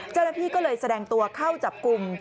เจ้าหน้าที่ก็เลยแสดงตัวเข้าจับกลุ่ม